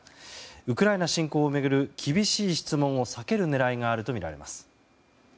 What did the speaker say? ウクライナ侵攻を巡る厳しい質問を避ける狙いがあるとみられます。